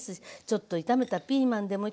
ちょっと炒めたピーマンでも。